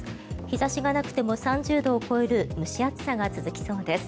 日差しがなくても３０度を超える蒸し暑さが続きそうです。